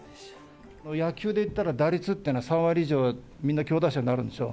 野球でいったら打率ってのは３割以上でみんな強打者になるんでしょ。